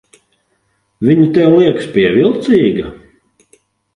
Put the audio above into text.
Viņa tev liekas pievilcīga?